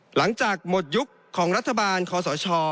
หลังจากหมดยุคของรัฐบาลคอสช